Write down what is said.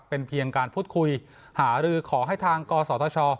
เป็นเพียงการพูดคุยหารือขอให้ทางกศธช